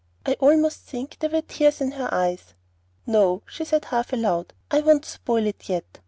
I almost think there were tears in her eyes. "No," she said half aloud, "I won't spoil it yet.